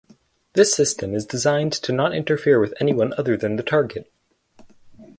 This system is designed to not interfere with anyone other than the target.